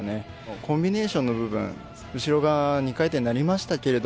コンビネーションの部分後ろが２回転になりましたけど。